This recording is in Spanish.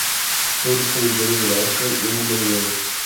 Tuvo tres candidaturas a los Óscar y un Globo de Oro.